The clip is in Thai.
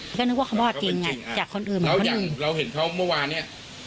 ก็นึกว่าคำว่าจริงจากคนอื่นแล้วอย่างเราเห็นเขาเมื่อวานี้